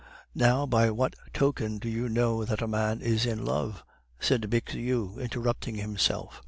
Now by what token do you know that a man is in love?" said Bixiou, interrupting himself.